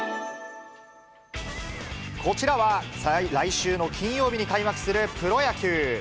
こちらは、来週の金曜日に開幕するプロ野球。